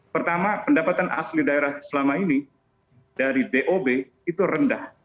pertama pendapatan asli daerah selama ini dari dob itu rendah